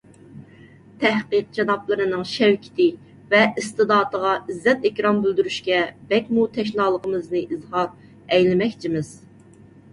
تەھقىق جانابلىرىنىڭ شەۋكىتى ۋە ئىستېداتىغا ئىززەت - ئىكرام بىلدۈرۈشكە بەكمۇ تەشنالىقىمىزنى ئىزھار ئەيلىمەكچىمىز.